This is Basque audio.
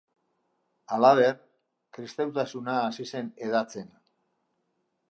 Halaber, kristautasuna hasi zen hedatzen.